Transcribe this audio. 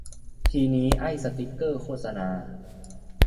ทีนี้ ไอ้สติ๊กเกอร์โฆษณา